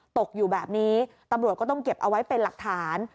ตกอยู่แบบนี้ตำรวจก็ต้องเก็บเอาไว้เป็นหลักฐาน